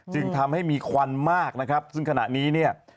จึงทำให้มีควันมากนะครับซึ่งขณะนี้เนี่ย